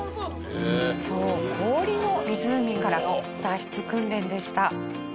そう氷の湖からの脱出訓練でした。